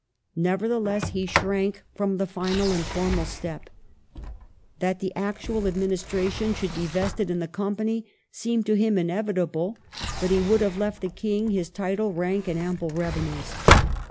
Never theless, he shrank from the final and formal step. That the actual administration should be vested in the Company seemed to him inevitable, but he would have left the King his title, rank, and ample revenues.